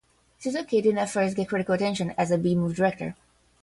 Suzuki didn't at first get critical attention as a B-movie director.